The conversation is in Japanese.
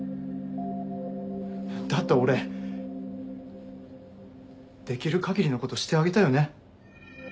だって俺できる限りのことしてあげたよね？